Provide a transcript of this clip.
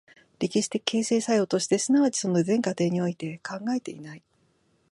歴史的形成作用として、即ちその全過程において考えていない。